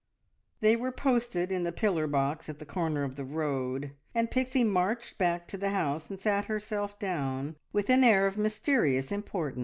They were posted in the pillar box at the corner of the road, and Pixie marched back to the house and sat herself down with an air of mysterious importance.